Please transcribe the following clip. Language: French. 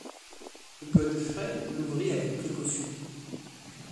Godfrey l’ouvrit avec précaution.